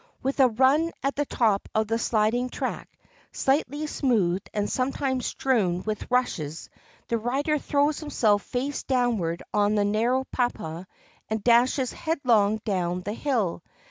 With a run at the top of the sliding track, slightly smoothed and sometimes strewn with rushes, the rider throws himself face downward on the narrow papa and dashes headlong down the hill.